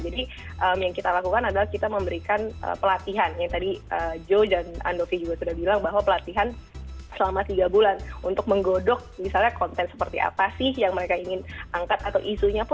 jadi yang kita lakukan adalah kita memberikan pelatihan yang tadi jo dan andovi juga sudah bilang bahwa pelatihan selama tiga bulan untuk menggodok misalnya konten seperti apa sih yang mereka ingin angkat atau isunya